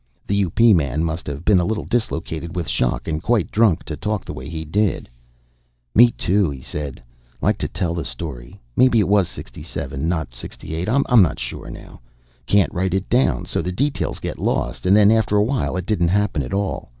The U.P. man must have been a little dislocated with shock and quite drunk to talk the way he did. "Me too," he said. "Like to tell the story. Maybe it was '67 not '68. I'm not sure now. Can't write it down so the details get lost and then after a while it didn't happen at all.